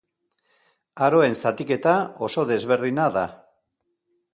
Aroen zatiketa oso desberdina da.